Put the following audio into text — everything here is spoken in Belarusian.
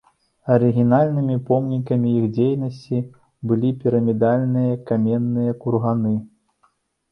Арыгінальнымі помнікамі іх дзейнасці былі пірамідальныя каменныя курганы.